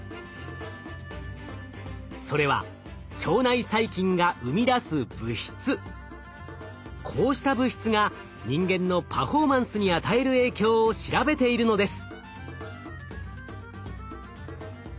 それはこうした物質が人間のパフォーマンスに与える影響を調べているのです。